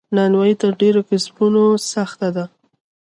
نانوایې تر ډیرو کسبونو سخته ده.